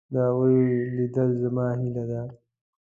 د هغوی لیدل زما هیله ده.